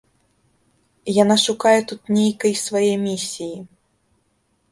Яна шукае тут нейкай свае місіі.